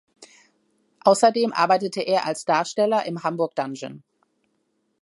Außerdem arbeitete er als Darsteller im Hamburg Dungeon.